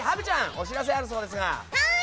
お知らせあるそうですが。